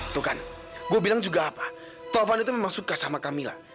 tuh kan gua bilang juga apa taufan itu memang suka sama kamila